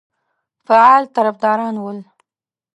فعال طرفداران ول.